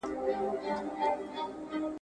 يعقوب عليه السلام د يوسف بيلتون نسي زغملای.